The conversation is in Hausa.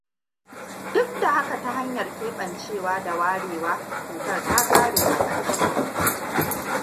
Duk da haka, ta hanyar keɓancewa da warewa, cutar ta ƙare a ƙarshe.